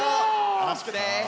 よろしくね。